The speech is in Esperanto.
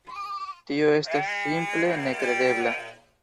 Tio estas simple nekredebla!